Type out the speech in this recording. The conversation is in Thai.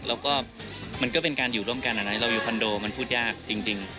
แล้วก็มันก็เป็นการอยู่ร่วมกันเราอยู่คอนโดมันพูดยากจริง